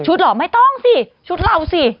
เหรอไม่ต้องสิชุดเราสิ